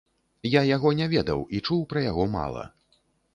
Я яго не ведаў і чуў пра яго мала.